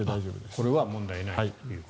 これは問題ない。